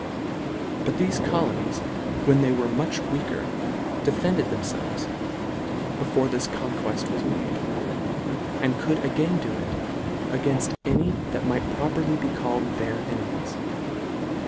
But thefe colonies when they were much weaker, defended themfelves, before this conqueft was made ; and could again do it, againft any that might properly be called their enemies.